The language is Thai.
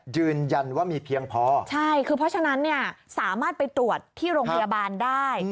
ยืนยันว่ามีเพียงพอใช่คือเพราะฉะนั้นเนี่ยสามารถไปตรวจที่โรงพยาบาลได้